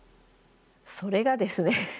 それがですね